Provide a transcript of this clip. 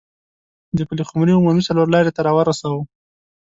د پلخمري عمومي څلور لارې ته راورسوه.